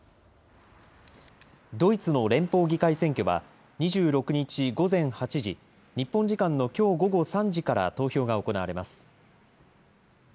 ドイツの連邦議会選挙は２６日午前８時、日本時間のきょう午後３時から投票が行われます。